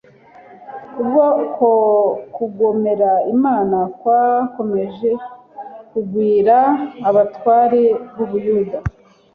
kubwo kugomera imana kwakomeje kugwira, abatware b'ubuyuda